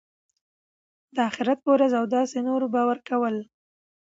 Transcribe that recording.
د آخرت په ورځ او داسي نورو باور کول .